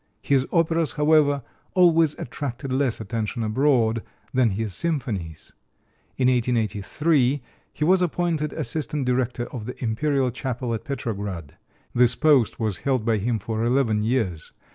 His operas, however, always attracted less attention abroad than his symphonies. In 1883 he was appointed assistant director of the Imperial Chapel at Petrograd. This post was held by him for eleven years.